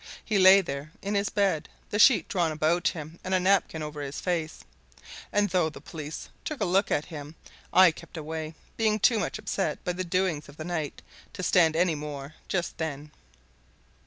He lay there in his bed, the sheet drawn about him and a napkin over his face; and though the police took a look at him, I kept away, being too much upset by the doings of the night to stand any more just then.